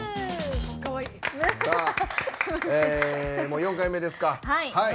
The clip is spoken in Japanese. もう４回目ですか。